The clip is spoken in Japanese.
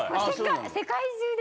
世界中で？